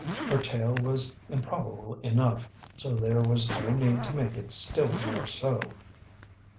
Her tale was improbable enough, so there was no need to make it still more so.